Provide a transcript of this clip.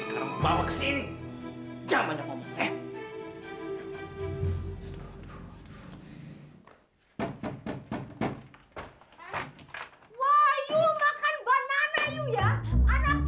aku mau bawa lo sekarang bawa kesini